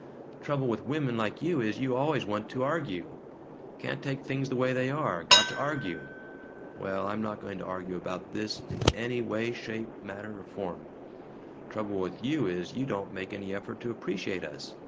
Trouble with women like you is, you always want to ARGUE. Can't take things the way they are. Got to argue. Well, I'm not going to argue about this in any way, shape, manner, or form. Trouble with you is, you don't make any effort to appreciate us.